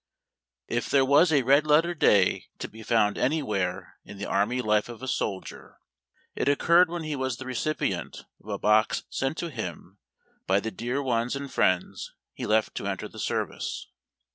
F there wus a red letter day to be found anywhere in the army life of a soldier, it occurred when he was the recipient of a box sent to him by tiie dear ones and friends he left to enter the service.